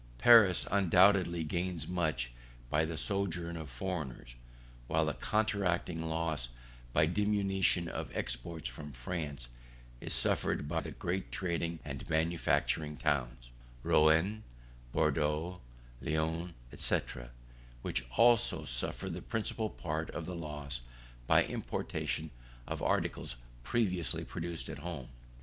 Paris undoubtedly gains much by the sojourn of foreigners, while the counteracting loss by diminution of exports from France is suffered by the great trading and manufacturing towns, Rouen, Bordeaux, Lyons, &c, which also suffer the principal part of the loss by importation of articles previously produced at home.